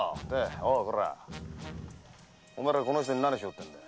おうこらお前らこの人に何しようってんだ。